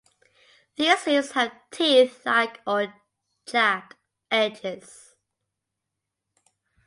These leaves have teeth like or jagged edges.